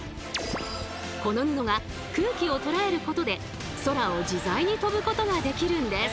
この布が空気をとらえることで空を自在に飛ぶことができるんです。